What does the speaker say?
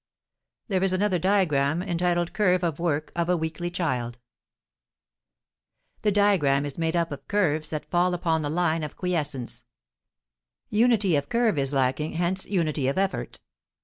[Illustration: CURVE OF WORK OF A WEAKLY CHILD] The diagram is made up of curves that fall upon the line of quiescence; unity of curve is lacking, hence unity of effort.